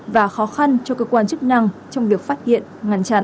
và khó khăn cho cơ quan chức năng trong việc phát hiện ngăn chặn